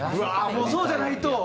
もうそうじゃないと。